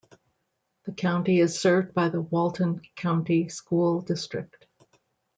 The county is served by the Walton County School District.